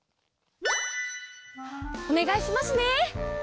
おねがいしますね。